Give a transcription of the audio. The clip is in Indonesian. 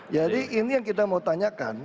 jadi ini yang kita mau tanyakan